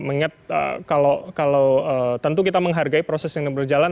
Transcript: mengingat kalau tentu kita menghargai proses yang berjalan